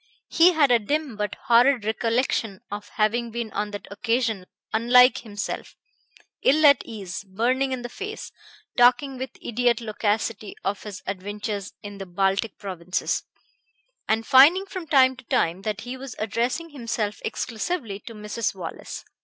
He had a dim but horrid recollection of having been on that occasion unlike himself, ill at ease, burning in the face, talking with idiot loquacity of his adventures in the Baltic provinces, and finding from time to time that he was addressing himself exclusively to Mrs. Wallace.